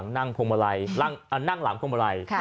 นั่งหลังพวงบะไล่